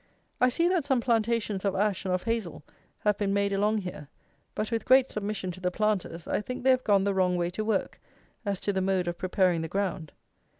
I see that some plantations of ash and of hazle have been made along here; but, with great submission to the planters, I think they have gone the wrong way to work, as to the mode of preparing the ground.